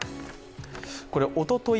おととい